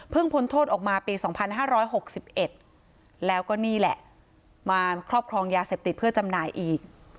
พ้นโทษออกมาปี๒๕๖๑แล้วก็นี่แหละมาครอบครองยาเสพติดเพื่อจำหน่ายอีก